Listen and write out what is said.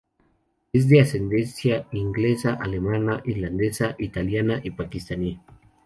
Es de ascendencia inglesa, alemana, irlandesa, italiana y pakistaní.